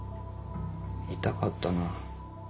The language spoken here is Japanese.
痛かったな。